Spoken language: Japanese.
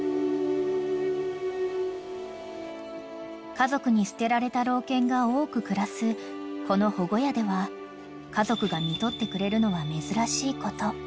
［家族に捨てられた老犬が多く暮らすこの保護家では家族が看取ってくれるのは珍しいこと］